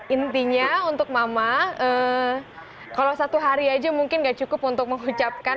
intinya untuk mama kalau satu hari aja mungkin gak cukup untuk mengucapkan